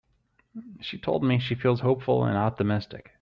She told me she feels hopeful and optimistic.